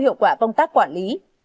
hiệu quả công tác quản lý